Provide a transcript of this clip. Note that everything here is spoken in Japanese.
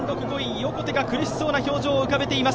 横手が苦しそうな表情を浮かべています。